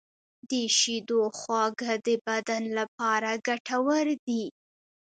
د شیدو خواږه د بدن لپاره ګټور دي.